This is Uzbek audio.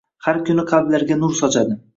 Har kuni qalblarga nur sochadi.